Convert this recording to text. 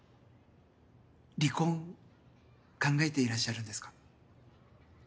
離婚考えていらっしゃるんですか？